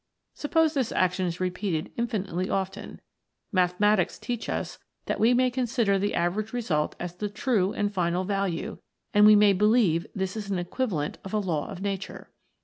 Suppose this action is repeated infinitely often, mathematics teach us that we may consider the average result as the true and final value, and we may believe this an equivalent of a Law of Nature.